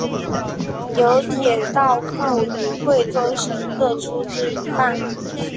由铁道部与贵州省各出资一半。